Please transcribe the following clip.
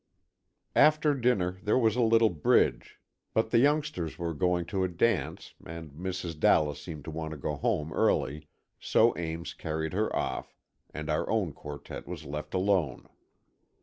After dinner there was a little bridge, but the youngsters were going to a dance, and Mrs. Dallas seemed to want to go home early, so Ames carried her off, and our own quartet was left alone.